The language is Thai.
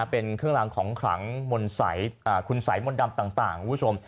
เป็นเครื่องรางของขลังคุณสัยมนต์ดำต่างคุณผู้ชม